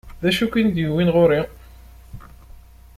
D acu i ken-id-yewwin ɣur-i?